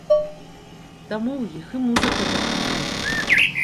Таму ў іх і музыка такая.